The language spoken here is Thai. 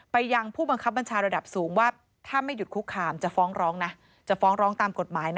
ไปยังผู้บังคับบัญชาระดับสูงว่าถ้าไม่หยุดคุกคามจะฟ้องร้องตามกฎหมาย